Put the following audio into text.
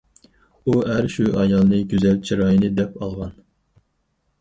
ئۇ ئەر شۇ ئايالنى گۈزەل چىراينى دەپ ئالغان.